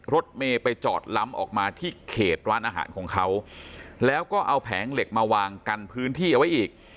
รถเมย์ไปจอดล้ำออกมาที่เขตร้านอาหารของเขาแล้วก็เอาแผงเหล็กมาวางกันพื้นที่เอาไว้อีก